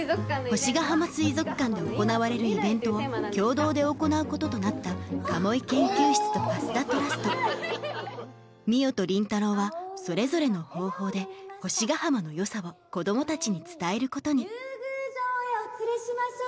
星ヶ浜水族館で行われるイベントを共同で行うこととなった鴨居研究室と蓮田トラスト海音と倫太郎はそれぞれの方法で星ヶ浜の良さを子供たちに伝えることに「竜宮城へお連れしましょう」。